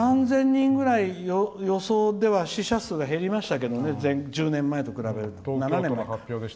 ３０００人ぐらい予想では死者数が減りましたけど１０年前と比べたら。